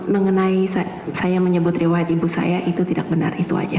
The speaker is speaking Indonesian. mengenai saya menyebut riwayat ibu saya itu tidak benar itu aja